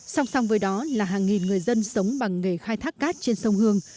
song song với đó là hàng nghìn người dân sống bằng nghề khai thác cát trên sông hương